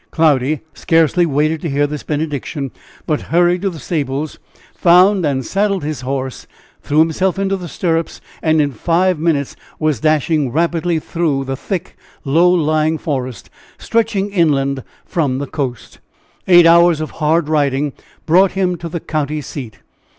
Cloudy scarcely waited to hear this benediction, but hurried to the stables, found and saddled his horse, threw himself into the stirrups, and in five minutes was dashing rapidly through the thick, low lying forest stretching inland from the coast. Eight hours of hard riding brought him to the county seat.